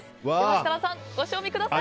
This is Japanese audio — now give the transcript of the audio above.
設楽さん、ご賞味ください。